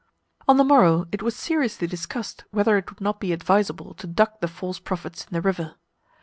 On the morrow, it was seriously discussed whether it would not be advisable to duck the false prophets in the river.